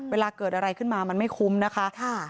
เวลาเกิดอะไรขึ้นมามันไม่คุ้มนะคะ